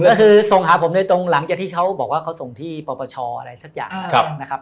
ก็คือส่งหาผมเลยตรงหลังจากที่เขาบอกว่าเขาส่งที่ปปชอะไรสักอย่างนะครับ